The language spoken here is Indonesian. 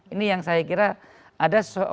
ini yang saya kira ada